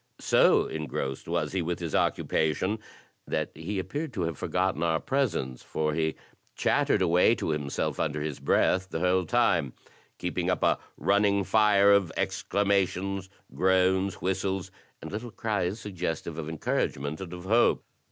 So engrossed was he with his occupation that he appeared to have forgotten our presence, for he chattered APPLIED PRINCIPLES I05 away to himself under his breath the whole time, keeping up a run ning fire of exclamations, groans, whistles, and little cries suggestive of encouragement and of hope.